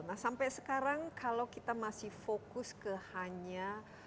nah sampai sekarang kalau kita masih fokus ke hanya